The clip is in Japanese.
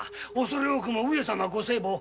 恐れ多くも上様のご生母